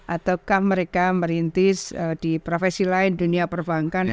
ataukah mereka merintis di profesi lain dunia perbankan